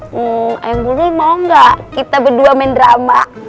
hmm ayang bulbul mau gak kita berdua main drama